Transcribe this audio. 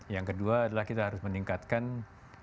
yang kedua adalah kita harus memperhatikan kesehatan